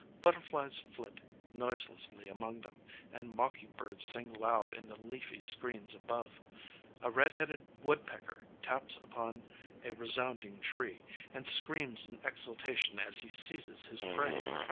Butterflies flit noiselessly among them, and mocking birds sing loud in the leafy screens above. A red headed woodpecker taps upon a resounding tree and screams in exultation as he seizes his prey.